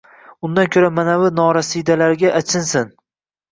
Undan ko`ra manavi norasidalarga achin